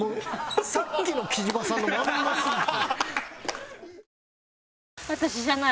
さっきの木島さんのまんますぎて。